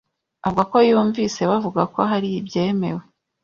avuga ko yumvise bavuga ko hari ibyemewe